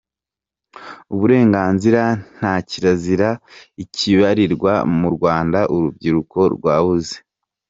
uburenganzira, nta kirazira ikibalirwa mu Rwanda; Urubyiruko rwabuze